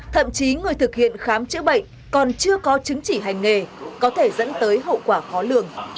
thậm chí người thực hiện khám chữa bệnh còn chưa có chứng chỉ hành nghề có thể dẫn tới hậu quả khó lường